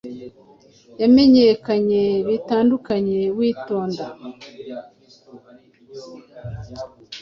Yamenyekanye bitandukanye witonda